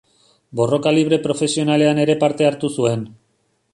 Borroka libre profesionalean ere parte hartu zuen.